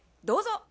どうぞ。